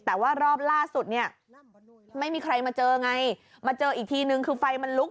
แต่ว่ารอบล่าสุดเนี่ยไม่มีใครมาเจอไงมาเจออีกทีนึงคือไฟมันลุก